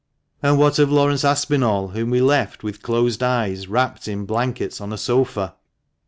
And what of Laurence Aspinall, whom we left with closed eyes, wrapped in blankets, on a sofa?